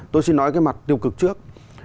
tôi xin nói cái mặt tiêu cực trước